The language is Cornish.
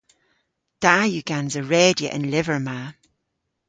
Da yw gansa redya an lyver ma.